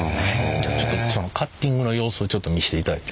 じゃあちょっとそのカッティングの様子をちょっと見せていただいて？